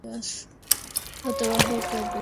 Ha trabajado como profesor auxiliar en una academia.